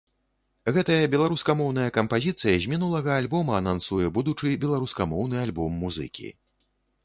Гэтая беларускамоўная кампазіцыя з мінулага альбома анансуе будучы беларускамоўны альбом музыкі.